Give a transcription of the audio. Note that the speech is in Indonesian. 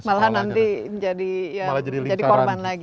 malah nanti jadi korban lagi